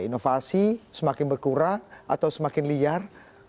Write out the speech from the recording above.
inovasi semakin berkurang atau semakin liar